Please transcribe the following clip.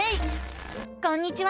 こんにちは！